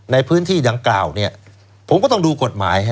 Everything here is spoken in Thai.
ในพื้นที่ดังกล่าวเนี่ยผมก็ต้องดูกฎหมาย